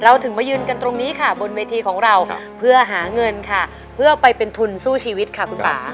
ถึงมายืนกันตรงนี้ค่ะบนเวทีของเราเพื่อหาเงินค่ะเพื่อไปเป็นทุนสู้ชีวิตค่ะคุณป่า